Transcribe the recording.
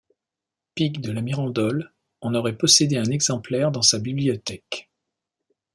Pic de la Mirandole en aurait possédé un exemplaire dans sa bibliothèque.